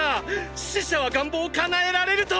死者は願望を叶えられると！